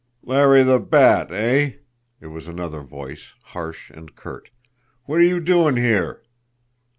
"Larry the Bat, eh?" It was another voice, harsh and curt. "What are you doing here?"